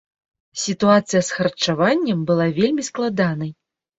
Сітуацыя з харчаваннем была вельмі складанай.